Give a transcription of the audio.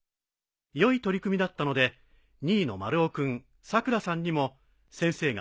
良い取り組みだったので２位の丸尾君さくらさんにも先生が賞状を用意してきました。